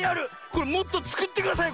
これもっとつくってください！